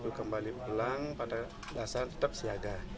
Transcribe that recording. kembali pulang pada dasarnya tetap siaga